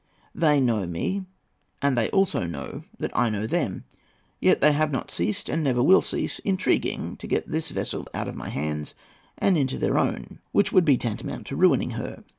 They know me, and they also know that I know them; yet they have not ceased, and never will cease, intriguing to get this vessel out of my hands and into their own, which would be tantamount to ruining her.